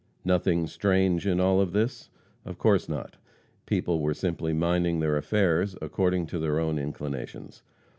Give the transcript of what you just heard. Nothing strange in all this? Of course not. People were simply minding their affairs according to their own inclinations.